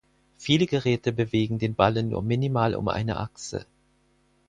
Viele Geräte bewegen den Ballen nur minimal um eine Achse.